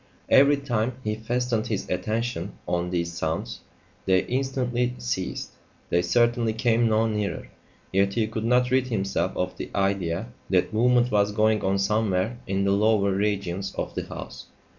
Every time he fastened his attention on these sounds, they instantly ceased. They certainly came no nearer. Yet he could not rid himself of the idea that movement was going on somewhere in the lower regions of the house.